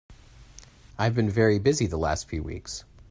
I've been very busy the last few weeks.